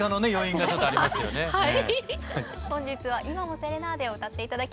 本日は「今もセレナーデ」を歌って頂きます。